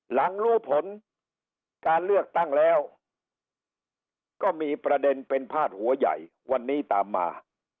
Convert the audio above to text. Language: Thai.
หลังรู้ผลการเลือกตั้งแล้วก็มีประเด็นเป็นพาดหัวใหญ่วันนี้ตามมา